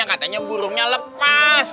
katanya burungnya lepas